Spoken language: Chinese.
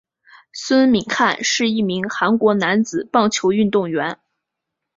孙敏汉是一名韩国男子棒球运动员。